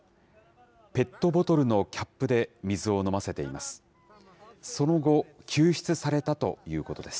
ペットボトルのキャップで水を飲ませています。